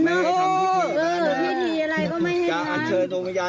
ทำไมถึง